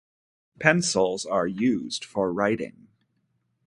Pencils are used for writing.